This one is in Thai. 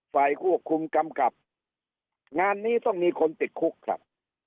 ฝ่ายควบคุมกำกับงานนี้ต้องมีคนติดคุกครับ